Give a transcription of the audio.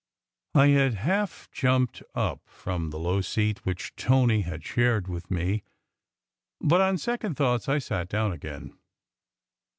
I had half jumped up from the low seat which Tony had shared with me; but on second thoughts I sat down again.